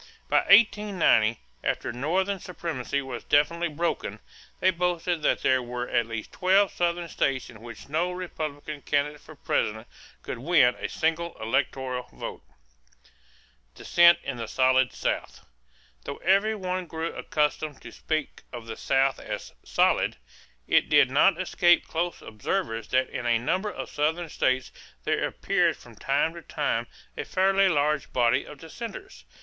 By 1890, after Northern supremacy was definitely broken, they boasted that there were at least twelve Southern states in which no Republican candidate for President could win a single electoral vote. =Dissent in the Solid South.= Though every one grew accustomed to speak of the South as "solid," it did not escape close observers that in a number of Southern states there appeared from time to time a fairly large body of dissenters.